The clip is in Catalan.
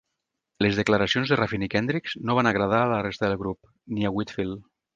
Les declaracions de Ruffin i Kendricks no van agradar a la resta del grup, ni a Whitfield.